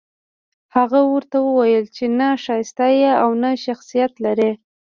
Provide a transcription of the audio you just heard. هغه ورته وويل چې نه ښايسته يې او نه شخصيت لرې.